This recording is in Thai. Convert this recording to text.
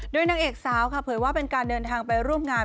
โดยนางเอกสาวค่ะเผยว่าเป็นการเดินทางไปร่วมงาน